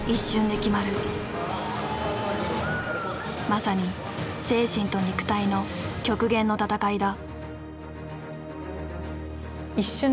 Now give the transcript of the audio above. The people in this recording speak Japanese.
まさに精神と肉体の極限の戦いだ。